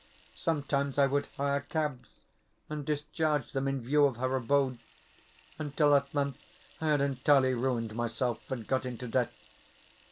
Sometimes I would hire cabs, and discharge them in view of her abode; until at length I had entirely ruined myself, and got into debt.